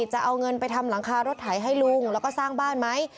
จะเอาเงินไปทำหลังคารถไถให้ลุงแล้วก็สร้างบ้านไหม